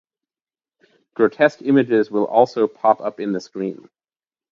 Grotesque images will also pop up in the screen.